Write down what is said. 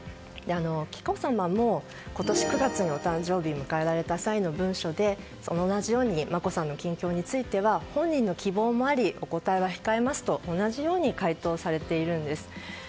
紀子さまも今年９月にお誕生日を迎えられた際の文書で同じように眞子さんの近況については本人の希望もありお答えは控えますと同じように回答されているんです。